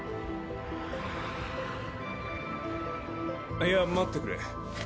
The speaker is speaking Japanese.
いや待ってくれ。